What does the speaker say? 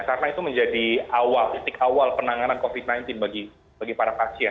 karena itu menjadi awal titik awal penanganan covid sembilan belas bagi para pasien